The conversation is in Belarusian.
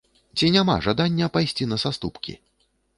Ці няма жадання пайсці на саступкі?